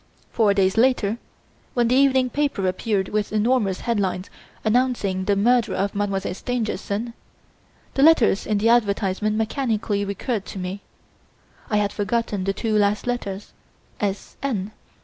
Four days later, when the evening paper appeared with enormous head lines announcing the murder of Mademoiselle Stangerson, the letters in the advertisement mechanically recurred to me. I had forgotten the two last letters, S. N.